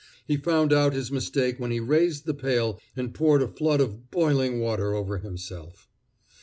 He found out his mistake when he raised the pail and poured a flood of boiling water over himself.